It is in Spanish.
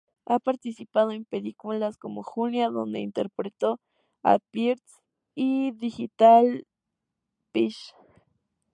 Ha participado en películas como "Julia", donde interpretó a Piers; y Digital Physics.